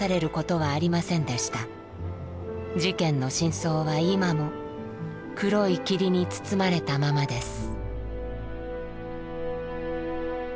事件の真相は今も黒い霧に包まれたままです。